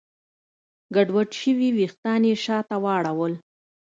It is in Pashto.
ګډوډ شوي وېښتان يې شاته واړول.